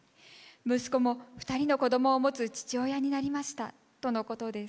息子も２人の子どもを持つ父親になりましたとのことです。